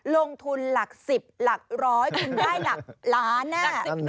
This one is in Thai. ลงทุนหลัก๑๐หลักร้อยคุณได้หลักล้าน